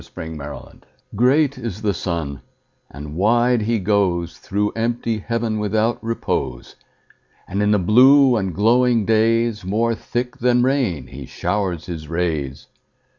Summer Sun GREAT is the sun, and wide he goesThrough empty heaven without repose; And in the blue and glowing daysMore thick than rain he showers his rays.